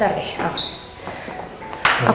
terima kasih pak